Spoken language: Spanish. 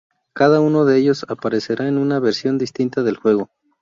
Cada uno de ellos aparecerá en una versión distinta del juego.